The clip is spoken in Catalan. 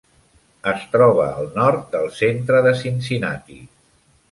Es troba al nord del centre de Cincinnati.